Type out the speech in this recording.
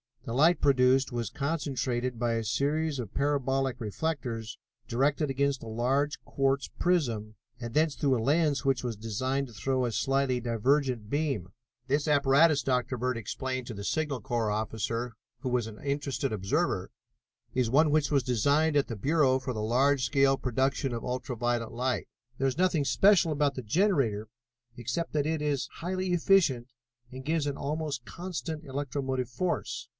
The light produced was concentrated by a series of parabolic reflectors, directed against a large quartz prism, and thence through a lens which was designed to throw a slightly divergent beam. "This apparatus," Dr. Bird explained to the Signal Corps officer, who was an interested observer, "is one which was designed at the Bureau for the large scale production of ultra violet light. There is nothing special about the generator except that it is highly efficient and gives an almost constant electromotive force.